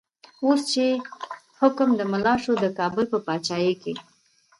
اوس چی حکم د ملا شو، د کابل په با چايې کی